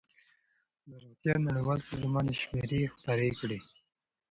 د روغتیا نړیوال سازمان شمېرې خپرې کړې.